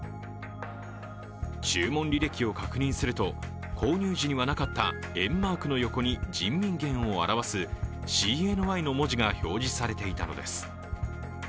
注文履歴を確認すると購入時にはなかった￥マークの横に人民元を表すＣＮＹの文字が表示されていたのです。